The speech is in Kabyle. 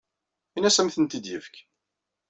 Ini-as ad am-tent-id-yefk.